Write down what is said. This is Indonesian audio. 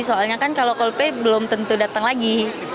soalnya kan kalau coldplay belum tentu datang lagi